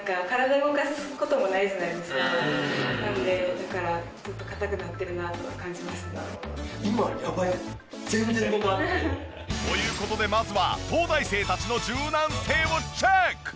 だからずっと硬くなってるなとは感じますね。という事でまずは東大生たちの柔軟性をチェック！